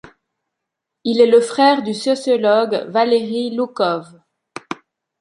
Il est le frère du sociologue Valeri Loukov.